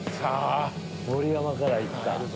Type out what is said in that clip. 盛山から行ったぞ。